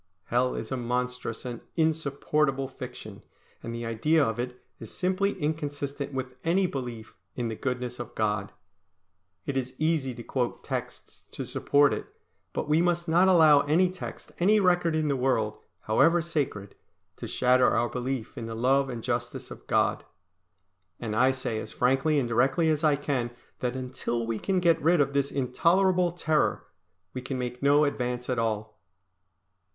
Hell is a monstrous and insupportable fiction, and the idea of it is simply inconsistent with any belief in the goodness of God. It is easy to quote texts to support it, but we must not allow any text, any record in the world, however sacred, to shatter our belief in the Love and Justice of God. And I say as frankly and directly as I can that until we can get rid of this intolerable terror, we can make no advance at all.